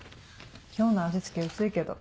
今日の味付け薄いけど。